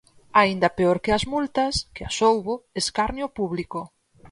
Aínda peor que as multas, que as houbo, escarnio público.